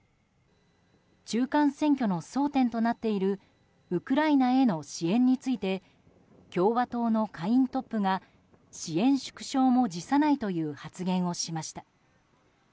中間選挙の争点となっているウクライナへの支援について共和党の下院トップが支援縮小も辞さないという発言をしました。